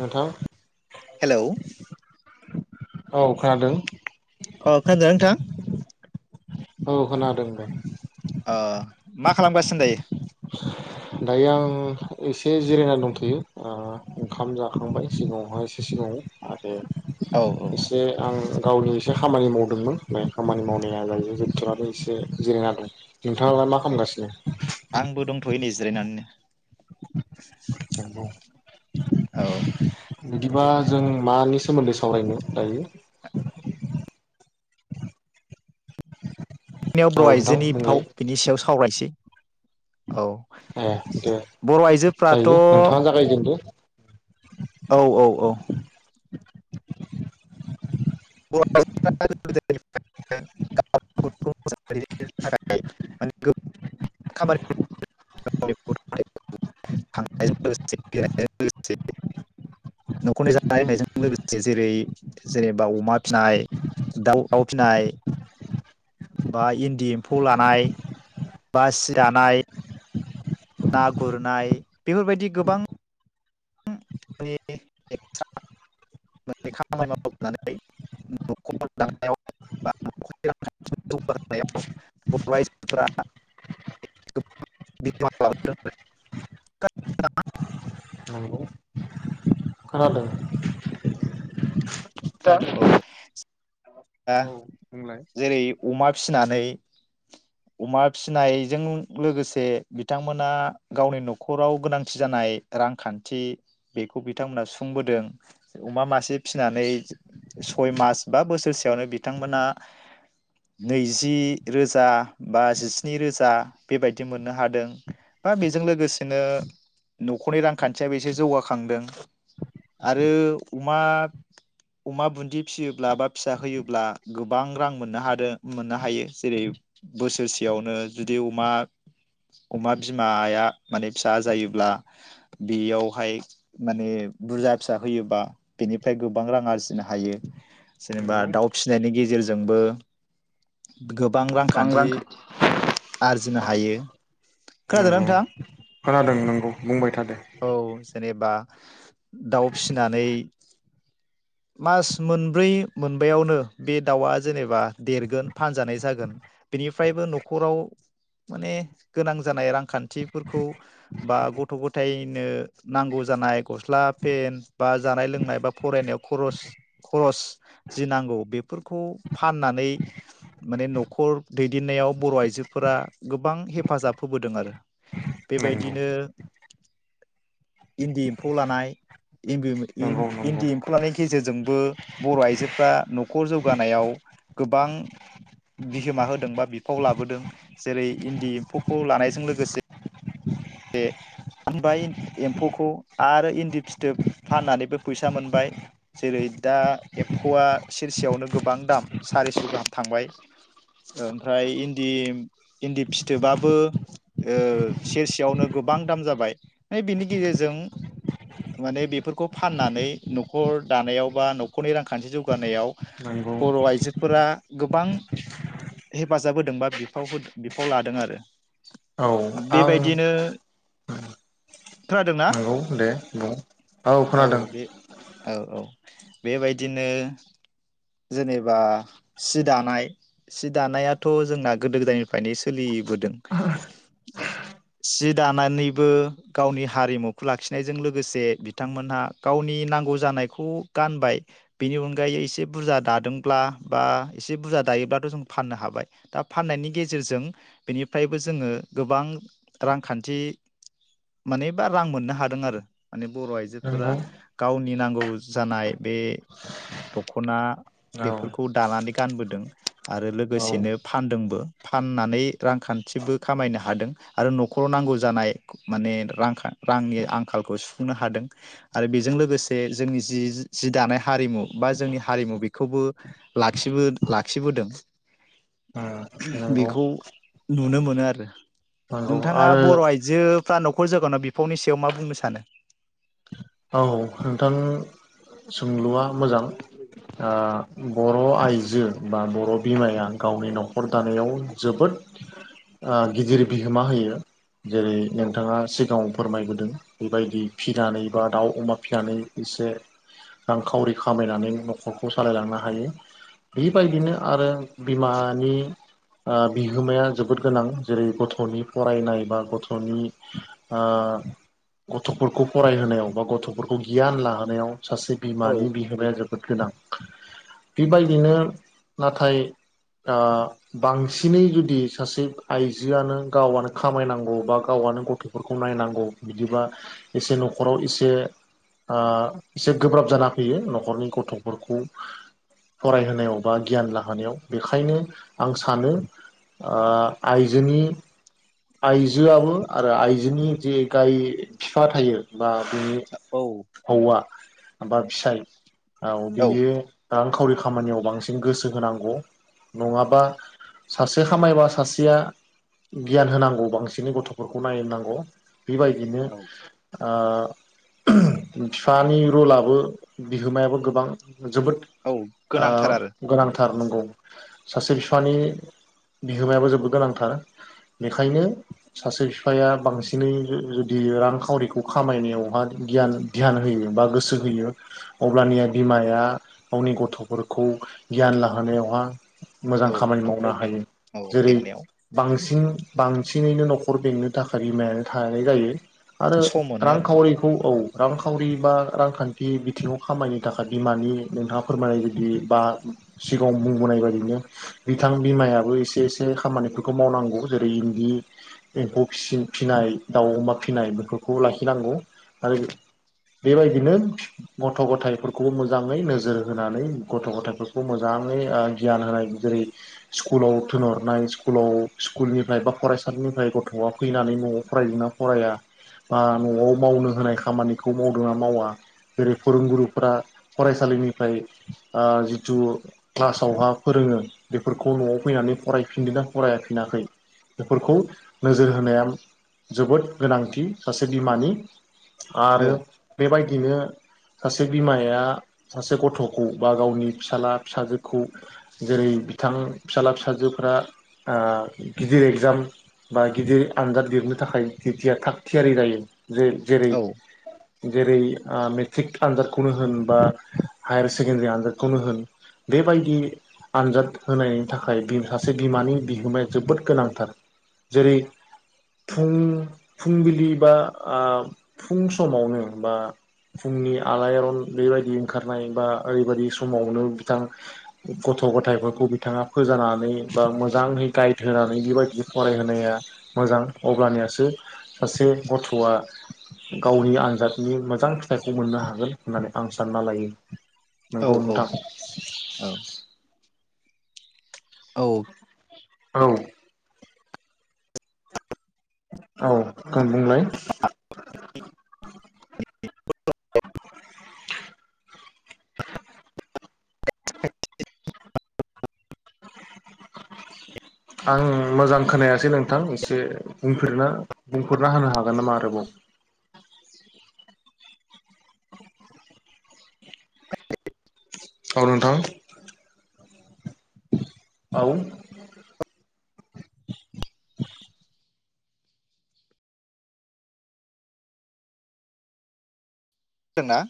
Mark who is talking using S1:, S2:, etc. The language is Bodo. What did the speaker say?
S1: नोंथां
S2: हेलौ।
S1: औ खोनादों‌।
S2: खोनादोंना नोंथां?
S1: औ खोनादों दे।
S2: अ मा खालामगासिनो दायो?
S1: दायो आं एसे जिरायनानै दंथयो ओ ओंखाम जाखांबाय सिगाङावहाय एसे सिगाङाव आरो
S2: औ औ
S1: एसे आं गावनि एसे खामानि मावदोंमोन ओमफ्राय खामानि मावनाया जाह जथोरानो एसे जिरायनादों नोंथाङालाय मा खालामगासिनो?
S2: आंबो दंथयो नै जिरायनानैनो।
S1: नंगौ
S2: औ।
S1: बिदिबा जों मानि सोमोन्दै सावरायनो दायो? [inaudible]
S2: याव [inaudible]
S1: औ नोंथां
S2: बर'आइजोनि बिफाव
S1: बुंलाय
S2: बिनि सायाव स सावरायनोसै
S1: ए दे
S2: आइजोफ्राथ' औ
S1: जायो नोंथाङा जागायजेनदो।
S2: औ औ औ। [unintelligible] फिसिनाय दाउ दउ फिसिनाय बा इन्दि एम्फौ लानाय बा सि दानाय ना गुरनाय बेफोरबायदि गोबां [unintelligible]
S1: नंगौ खोनादों।
S2: आरो औ।
S1: औ
S2: आं
S1: बुंलाय
S2: जेरै अमा फिसिनानै। अमा फिनायजों लोगोसे बिथांमोना गावनि न'खराव गोनांथि जानाय रांखान्थि बेखौ बिथांमोना सुफुंबोदों अमा मासे फिसिनानै सय मास बा बोसोरसे यावनो बिथांमोना नैजि रोजा बा जिस्नि रोजा बेबायदि मोननो हादों बा बेजों लोगोसेनो न'खरनि रांखान्थियाबो एसे जौगाखांदों आरो अमा बुन्दि फिसियोब्ला बा फिसा होयोब्ला गोबां रां मोननो हादों मोननो हायो जेरै बोसोरसेयावनो जुदि अमा अमा बिमाया माने फिसा जायोब्ला बेयावहाय माने बुरजा फिसा होयोबा बेनिफ्राय गोबां रां आरजिनो हायो जेनेबा
S1: नंगौ
S2: दाउ फिसिनायनि गेजेरजों जोंबो गोबां रांखान्थि आरजिनो हायो। खोनादोंना
S1: नंगौ
S2: नोंथां?
S1: खोनादों नंगौ बुंबाय थादो
S2: जेनोबा दाउ फिनानै मास मोनब्रै मोनबयावनो बे दाउआ जेनोबा देरगोन फानजानाय जागोन बेनिफ्रायबो नखराव माने गोनां जानाय रांखान्थिफोरखौ बा गथ' गथायनो नांगौ जानाय गस्ला पेन बा जानाय लोंनाय बा फरायनायाव खरस खरस जि नांगौ बेफोरखौ फाननानै माने नखर दैदेननायाव बर' आइजोफोरा गोबां हेफाजाब होबोदों आरो।
S1: नंगौ
S2: बेबायदिनो इन्दि एम्फौ लानाय
S1: नंगौ नंगौ
S2: इम्बि-इम-इन्दि एम्फौ लानायनि गेजेरजोंबो बर' आइजो फ्रा नखर जौगानायाव गोबां बिहोमा होदों बा बिफाव लाबोदों जेरै इन्दि एम्फौखौ लानायजों लोगोसे बे फानबाय एम्फौखौ आरो इन्दि फिथोब फाननानैबो फैसा मोनबाय। जेरै दा एम्फौआ सेरसेयावनो गोबां दाम सारिस' गाहाम थांबाय ओमफ्राय इन्दि इन्दि फिथोबाबो ओ सेरसे यावनो गोबां दाम जाबाय। फ्राय बिनि गेजेरजों माने बेफोरखौ फाननानै नखर दानायाव बा नखरनि रांखान्थि जौगानायाव
S1: नंगौ
S2: बर' आइजोफोरा गोबां हेफाजाब होदों बा बिफाव हो बिफाव लादों आरो।
S1: औ आं
S2: दि खोनादोंना?
S1: नंगौ दे बुं औ खोनादों।
S2: औ औ बेबायदिनो जेनोबा सि दानाय सि दानायाथ' जोंना गोदो गोदायनिफ्रायनो सोलिबोदों सि दानानैबो गावनि हारिमुखौ लाखिनायजों लोगोसे बिथांमोनहा गावनि नांगौ जानायखौ गानबाय बेनि अनगायै एसे बुरजा दादोंब्ला बा एसे बुरजा दायोब्लाथ जों फाननो हाबाय दा फाननायनि गेजेरजों बेनिफ्रायबो जोङो गोबां रांखान्थि माने बा रां मोननो हादों आरो। माने बर' आइजोफोरा
S1: नंगौ
S2: गाव नि नांगौ जानाय बे दख'ना
S1: औ
S2: बेफोरखौ दानानै गानबोदों आरो
S1: औ उम
S2: लोगोसेनो फानदोंबो फाननानै रांखान्थिबो खामायनो हादों। आरो नखराव नांगौ जानाय माने रांखा-रांनि आंखालखौ सुफुंनो हादों आरो बेजों लोगोसे जोंनि जि जि दानाय हारिमु बा जोंनि हारिमु बेखौबो लाखिबो लाखिबोदों
S1: नंगौ
S2: बेखौ नुनो मोनो आरो।
S1: नंगौ
S2: नोंथाङा
S1: आरो
S2: बर' आइजो फ्रा नख'र जोगानाव बिफावनि सायाव मा बुंनो सानो?
S1: औ नोंथां सो सोंलुआ मोजां। बर' आइजो बा बर' बिमाया गावनि नखर दानायाव ओ जोबोद गिदिर बिहोमा होयो। जेरै
S2: औ
S1: नोंथाङा सिगाङाव फोरमायबोदों बेबायदि फिनानै बा दाउ अमा फिनानै एसे रांखावरि खामायनानै नख'रखौ सालायलांनो हायो बेबायदिनो आरो बिमानि ओ बिहोमाया जोबोद गोनां जेरै गथ'नि फरायनाय बा गथ'नि ओ गथ'फोरखौ फरायहोनायाव बा गथ'फोरखौ गियान लाहोनायाव सासे
S2: औ
S1: बिमानि बिहोमाया जोबोद गोनां। बेबायदिनो नाथाय ओ बांसिनै जुदि सासे आइजोआनो गावानो खामायनांगौ बा गावानो गथ'फोरखौ नायनांगौ बिदिबा एसे नखराव इसे बे ओ एसे गोब्राब जाना फैयो नख'रनि गथ'फोरखौ फरायहोनायाव बा गियान लाहोनायाव बेखायनो आं सानो ओ आइजोनि आइजोआबो आरो आइजोनि जे गाय फिफा थायो बा बे
S2: औ
S1: हौवा माबा फिसाय औ बियो दा खावरि खामानियाव बांसिन गोसो होनांगौ नङाबा सासे खामायबा सासेया गियान होनांगौ बांसिनै गथ'फोरखौ नायनांगौ। बिबायदिनो
S2: औ
S1: ओ बिफानि रलाबो बिहोमायाबो गोबां जोबोद
S2: औ
S1: ओ
S2: गोनांथार आरो
S1: गोनांथ थार नंगौ सासे बिफानि बिहोमायाबो जोबोद गोनांथार। बेखायनो सासे बिफाया बांसिनै जुदि रांखावरिखौ खामायनायावहा गियान ध्यान होयो बा गोसो होयो अब्लानिया बिमाया गावनि गथफोरखौ गियान लाहोनायावहा मोजां
S2: औ
S1: खामानि मावनो
S2: न'खर बें
S1: हायो
S2: औ
S1: जेरै
S2: बेंनायाव
S1: बांसिन बांसिनैनो नखर बेंकनो थाखाय बिमायानो थानाय जायो। आरो
S2: सम मोनो आरो
S1: रांखावरिखौ औ रांखावरि बा रांखान्थि बिथिङाव खामायनो थाखाय बिमानि नोंथाङा फोरमायनाय बायदि बा सिगाङाव बुंबोनाय बायदिनो बिथां बिमायाबो एसे एसे खामानिफोरखौ मावनांगौ। जेरै इन्दि एम्फौसि फिसिनाय दाउ अमा फिसिनाय बेफोरखौ लाखिनांगौ आरो बेबायदिनो गथ' गथायाइफोरखौबो मोजाङै नोजोर होनानै गथ' गथायाइफोरखौ मोजाङै गियान होनाय जेरै स्कुलाव थिनहरनाय स्कुलाव स्कुलनिफ्राय बा फरायसालिनिफ्राय गथ'आ फैनानै न'आव फरायदोंना फराया बा न'आव मावनो होनाय खामानिखौ मावदों नना मावा जेरै फोरोंगुरुफोरा फरायसालिनिफ्राय जिथु क्लासावहा फोरोङो बेफोरखौ न'आव फैनानै फरायफिनदोंना फरायफिनाखै बेफोरखौ नोजोर होनाया जोबोद गोनांथि सासे बिमानि आरो बेबायदि बिदिनो सासे बिमाया सासे गथ'खौ बा गावनि फिसाला फिसाजोखौ जेरै बिथां फिसाला फिसाजोफ्रा आं गिदिर एगजाम बा गिदिर आनजाद लिरनो थाखाय जेथिया थागथियारि जायो। जे जेरै
S2: औ
S1: जेरै मेट्रिक आनजादखौनो होन बा हायार सेकेण्डारि आनजादखौनो होन बेबायदि आनजाद होनायनि थाखाय सासे बिमानि बिहोमाया जोबोद गोनांथार जेरै फुं फुंबिलि बा फुं समावनो बा फुंनि आलायारन बेबायदि ओंखारनाय बा ओरैबायदि समावनो बिथां गथ' गथायाइफोरखौ बिथाङा फोजानानै बा मोजाङै गाइद होनानै बेबायदि फरायहोनाया मोजां अब्लानियासो सासे गथआ गावनि आनजादनि मो मोजां फिथाइखौ मोननो हागोन होननानै आं स सानना लायो। नंगौ
S2: औ औ
S1: नोंथां।
S2: औ औ
S1: औ औ आं बुंलाय
S2: [unintelligible]
S1: [inaudible] आं मोजां खोनायासै नोंथां एसे बुंफना बुंफोरना होनो हागोन नामा आरोबाव? औ नोंथां औ
S2: ना